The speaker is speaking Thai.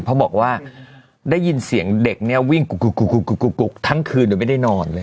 เพราะบอกว่าได้ยินเสียงเด็กเนี่ยวิ่งกุกทั้งคืนโดยไม่ได้นอนเลย